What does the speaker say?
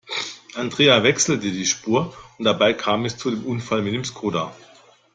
Andrea wechselte die Spur und dabei kam es zum Unfall mit dem Skoda.